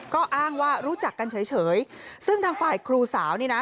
ก็อ้างว่ารู้จักกันเฉยซึ่งทางฝ่ายครูสาวนี่นะ